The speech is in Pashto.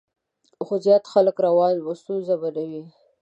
خو زیات خلک روان وي، ستونزه به نه وي.